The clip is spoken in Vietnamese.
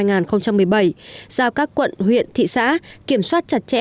giao các quận huyện thị xã kiểm soát trạch